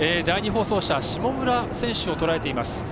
第２放送車下村選手をとらえています。